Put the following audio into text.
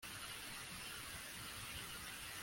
abagabo bamwenyura babonye abagore